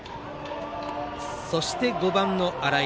そして５番、新井。